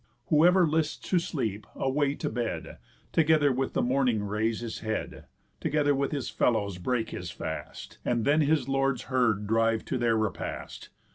_ Whoever lists to sleep, away to bed, Together with the morning raise his head, Together with his fellows break his fast, And then his lord's herd drive to their repast.